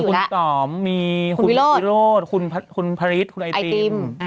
คุณสอมมีคุณวิโรทคุณพริษคุณไอตีม